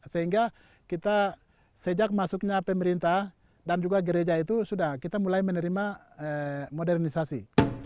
sehingga kita sejak masuknya pemerintah dan juga gereja itu sudah kita mulai menerima modernisasi